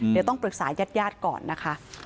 เดี๋ยวต้องปรึกษาญาติก่อนนะคะ